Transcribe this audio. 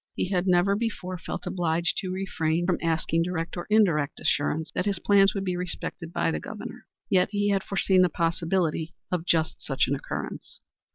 He had never before felt obliged to refrain from asking direct or indirect assurance that his plans would be respected by the Governor. Yet he had foreseen the possibility of just such an occurrence.